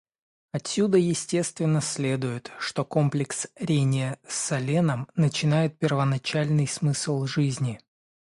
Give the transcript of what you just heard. Отсюда естественно следует, что комплекс рения с саленом начинает первоначальный смысл жизни.